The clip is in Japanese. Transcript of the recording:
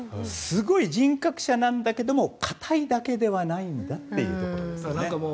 すごい人格者だけど堅いだけではないんだということですね。